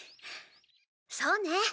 そうね。